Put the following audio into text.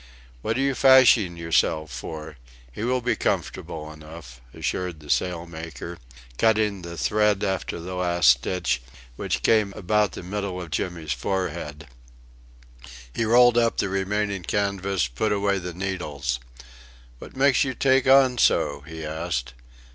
"What are you fashing yourself for? He will be comfortable enough," assured the sailmaker, cutting the thread after the last stitch, which came about the middle of Jimmy's forehead. He rolled up the remaining canvas, put away the needles. "What makes you take on so?" he asked.